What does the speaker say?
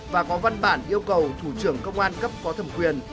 và có văn bản yêu cầu thủ trưởng công an cấp có thẩm quyền